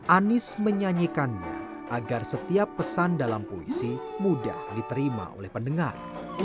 anies menyanyikannya agar setiap pesan dalam puisi mudah diterima oleh pendengar